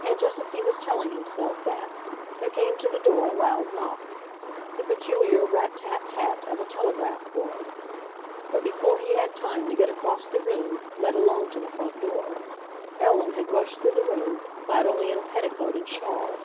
And just as he was telling himself that, there came to the door a loud knock, the peculiar rat tat tat of a telegraph boy. But before he had time to get across the room, let alone to the front door, Ellen had rushed through the room, clad only in a petticoat and shawl.